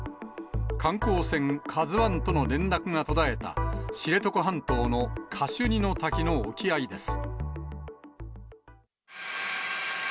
観光船、カズワンとの連絡が途絶えた、知床半島のカシュニの滝の沖合です。